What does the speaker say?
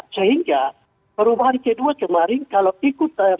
sehingga perubahan k dua kemarin kalau masyarakat ikut tamu